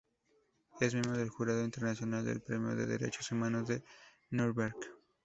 Es miembro del Jurado Internacional del Premio de Derechos Humanos de Núremberg.